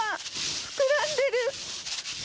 膨らんでる。